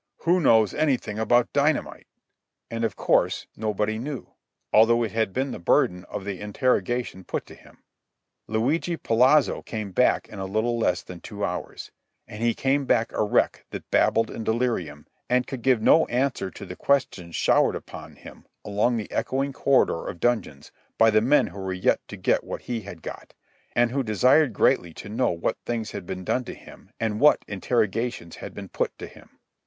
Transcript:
"Who knows anything about dynamite?" And of course nobody knew, although it had been the burden of the interrogation put to him. Luigi Polazzo came back in a little less than two hours, and he came back a wreck that babbled in delirium and could give no answer to the questions showered upon him along the echoing corridor of dungeons by the men who were yet to get what he had got, and who desired greatly to know what things had been done to him and what interrogations had been put to him.